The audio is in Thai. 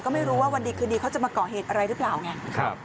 ก็ไม่รู้ว่าวันดีคืนดีเขาจะมาก่อเหตุอะไรหรือเปล่าไง